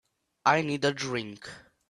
I need a drink.